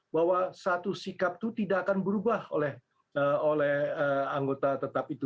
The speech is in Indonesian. bahwa satu sikap itu tidak akan berubah oleh anggota tetap itu